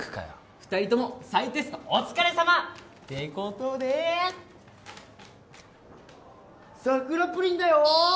二人とも再テストお疲れさまってことで桜プリンだよ